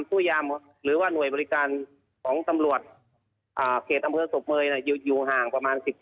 เพราะมีประสบการณ์ข้างในด้านนี้เรื่องข้างออกรถ